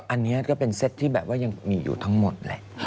อันนี้ก็เป็นเซตที่แบบว่ายังมีอยู่ทั้งหมดแหละ